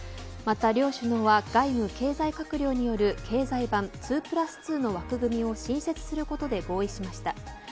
また両首脳は外務経済閣僚による経済版２プラス２の枠組みを新設することで合意しました。